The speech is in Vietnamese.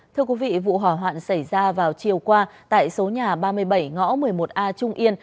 thưa quý vị vụ hỏa hoạn xảy ra vào chiều qua tại số nhà ba mươi bảy ngõ một mươi một a trung yên